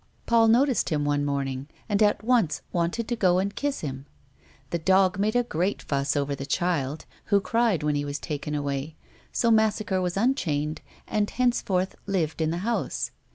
Paul noticed him one morning, and at once wanted to go and kiss him. The dog made a great fuss over the child, who cried when he was taken away, so Massacre was unchained, and henceforth lived in the house.